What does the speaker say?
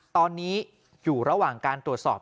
ตอนนี้อยู่ระหว่างการตรวจสอบ